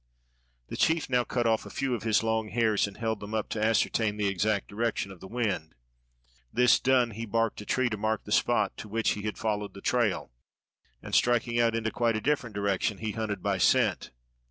The chief now cut off a few of his long hairs and held them up to ascertain the exact direction of the wind. This done, he barked a tree to mark the spot to which he had followed the trail, and striking out into quite a different direction he hunted by scent.